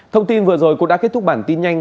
thông tin vừa rồi cũng đã kết thúc bản tin nhanh